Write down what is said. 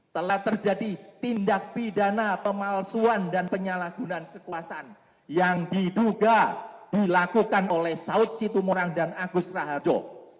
telah terjadi tindak pidana pemalsuan dan penyalahgunaan kekuasaan yang diduga dilakukan oleh saud situmorang dan agus raharjo